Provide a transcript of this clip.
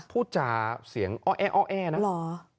พูดจาเสียงอ้อแอน่ะ